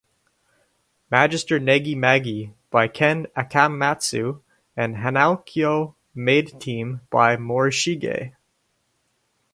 Magister Negi Magi" by Ken Akamatsu and "Hanaukyo Maid Team" by Morishige.